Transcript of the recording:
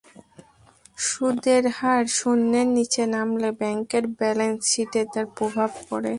সুদের হার শূন্যের নিচে নামলে ব্যাংকের ব্যালান্স শিটে তার প্রভাব পড়ে।